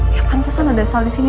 ya pantasan ada sal disini